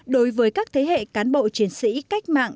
đối với các thế hệ cán bộ chiến sĩ cách mạng